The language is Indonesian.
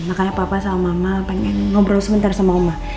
makanya papa sama mama pengen ngobrol sebentar sama omah